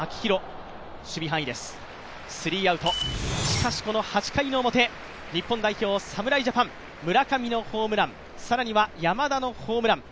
しかしこの８回の表日本代表侍ジャパン村上のホームラン、更には山田のホームラン。